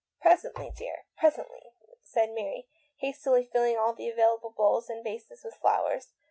"Presently, dear, presently," said Mary, hastily filling all the available bowls and vases with flowers.